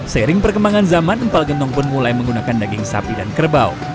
seiring perkembangan zaman empal gentong pun mulai menggunakan daging sapi dan kerbau